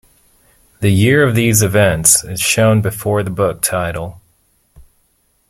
The year of these events is shown before the book title.